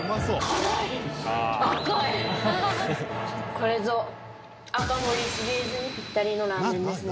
これぞ赤森シリーズにぴったりのラーメンですね。